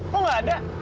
kok gak ada